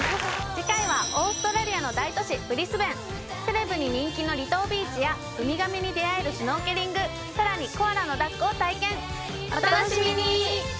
次回はオーストラリアの大都市ブリスベンセレブに人気の離島ビーチやウミガメに出会えるシュノーケリングさらにコアラのだっこを体験お楽しみに！